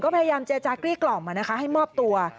๑๙๑ก็พยายามจะจากรีกล่อมมานะคะให้มอบตัว